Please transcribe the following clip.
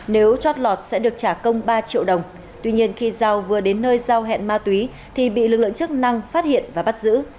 nếu chót lọt sẽ được trả công ba triệu đồng tuy nhiên khi giao vừa đến nơi giao hẹn ma túy thì bị lực lượng chức năng phát hiện và bắt giữ